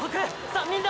３人だ！！